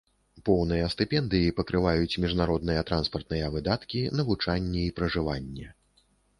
Поўныя стыпендыі пакрываюць міжнародныя транспартныя выдаткі, навучанне і пражыванне.